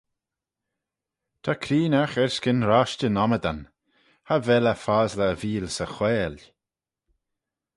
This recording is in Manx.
"Ta creenaght erskyn roshtyn ommydan; cha vel eh fosley e veeal 'sy whaiyll."